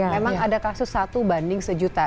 memang ada kasus satu banding sejuta